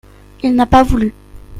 Il n'a pas voulu.